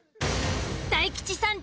大吉さん